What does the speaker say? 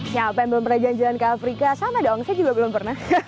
siapa yang belum pernah jalan jalan ke afrika sama dong saya juga belum pernah